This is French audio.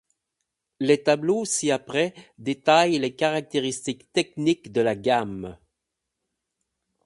Les tableaux ci-après détaillent les caractéristiques techniques de la gamme.